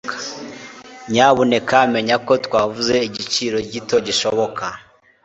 nyamuneka menya ko twavuze igiciro gito gishoboka